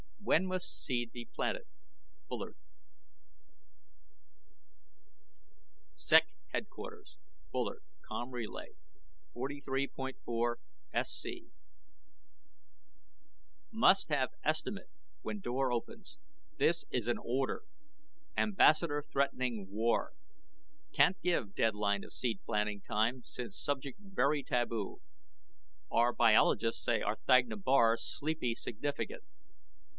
WHEN MUST SEED BE PLANTED? BULLARD SEC. HDQ. BULLARD, COM. RLY. 43.4SC MUST HAVE ESTIMATE WHEN DOOR OPENS. THIS AN ORDER. AMBASSADOR THREATENING WAR. CAN'T GIVE DEADLINE OF SEED PLANTING TIME SINCE SUBJECT VERY TABOO. OUR BIOLOGISTS SAY R'THAGNA BAR SLEEPY SIGNIFICANT.